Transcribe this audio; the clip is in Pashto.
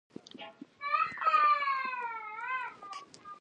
ښارونه د افغانانو د تفریح یوه وسیله ده.